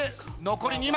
残り２枚。